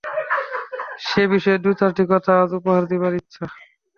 সে-বিষয়ে দু-চারটি কথা আজ উপহার দিবার ইচ্ছা।